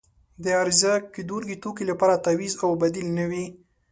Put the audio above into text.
د عرضه کیدونکې توکي لپاره تعویض او بدیل نه وي.